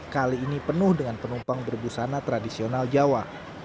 kali ini penuh dengan penumpang berbusana tradisional jawa